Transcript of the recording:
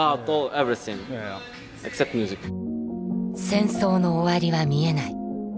戦争の終わりは見えない。